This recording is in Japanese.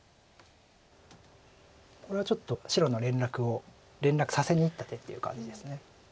これはちょっと白の連絡を連絡させにいった手っていう感じです。